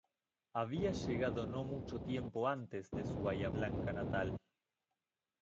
Había llegado no mucho tiempo antes de su Bahía Blanca natal.